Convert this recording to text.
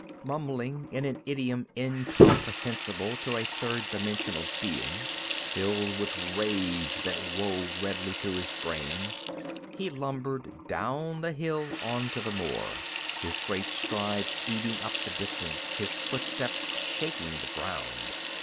Mumbling in an idiom incomprehensible to a third dimensional being, filled with rage that wove redly through his brain, he lumbered down the hill onto the moor, his great strides eating up the distance, his footsteps shaking the ground.